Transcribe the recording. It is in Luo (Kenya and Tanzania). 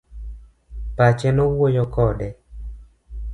Pache nowuoyo kode.